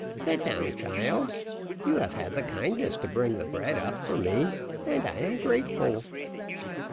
Sit down, child; you have had the kindness to bring the bread up for me, and I am grateful."